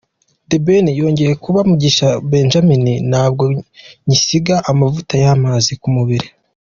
The Ben yongeye kuba Mugisha Benjamin, ntabwo nkisiga amavuta y’amazi ku mubiri.